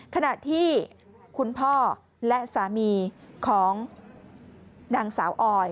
ขณะที่คุณพ่อและสามีของนางสาวออย